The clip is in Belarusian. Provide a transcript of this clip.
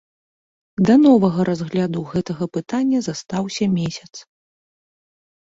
Да новага разгляду гэтага пытання застаўся месяц.